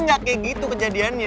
gak kayak gitu kejadiannya